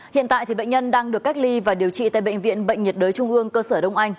hiện tại bệnh nhân đang được cách ly và điều trị tại bệnh viện bệnh nhiệt đới trung ương cơ sở đông anh